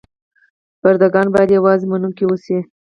برده ګان باید یوازې منونکي اوسي.